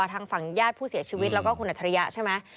ทางฝั่งญาติผู้เสียชีวิตแล้วก็คุณอัจฉริยะใช่ไหม